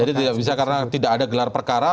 jadi tidak bisa karena tidak ada gelar perkara